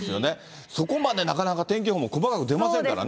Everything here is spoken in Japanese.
そこまでなかなか天気予報も細かく出ませんからね。